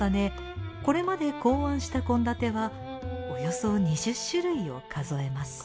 これまで考案した献立はおよそ２０種類を数えます。